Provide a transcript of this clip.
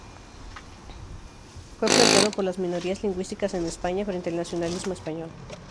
Fue planteado por las minorías lingüísticas en España frente al nacionalismo español.